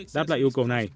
đáp lại yêu cầu này